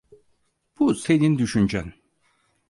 Bu senin düşüncen.